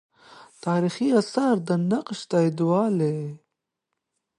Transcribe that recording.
تاریخي آثار دا نقش تاییدولې.